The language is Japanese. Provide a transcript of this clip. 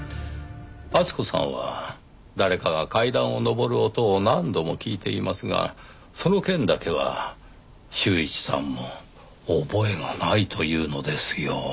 厚子さんは誰かが階段を上る音を何度も聞いていますがその件だけは柊一さんも覚えがないというのですよ。